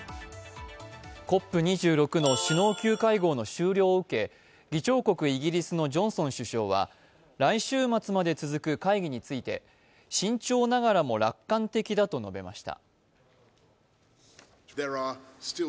ＣＯＰ２６の首脳級会合の終了を受け、議長国イギリスのジョンソン首相は来週末まで続く会議について慎重ながらも楽観的だと述べました。